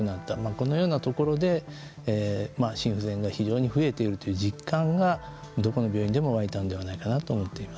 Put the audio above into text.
このようなところで心不全が非常に増えているという実感がどこの病院でもわいたのではないかと思っています。